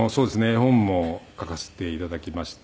絵本も描かせて頂きまして。